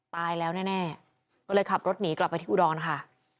ตายแล้วแน่ก็เลยขับรถหนีกลับไปที่อุดรค่ะ